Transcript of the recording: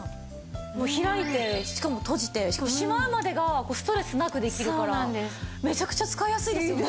開いてしかも閉じてしかもしまうまでがストレスなくできるからめちゃくちゃ使いやすいですよね。